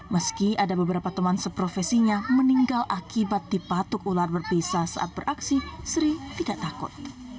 meski ada beberapa teman seprofesinya meninggal akibat dipatuk ular berpisah saat beraksi sri tidak takut